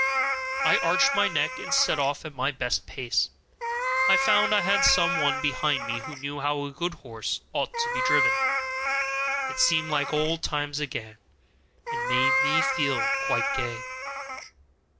I arched my neck and set off at my best pace. I found I had some one behind me who knew how a good horse ought to be driven. It seemed like old times again, and made me feel quite gay.